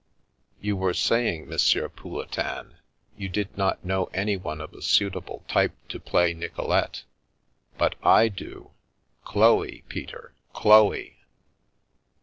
" You were saying, M. Pouletin, you did not know anyone of a suitable type to play Nicolete. But I do— Chloe, Peter, Chloe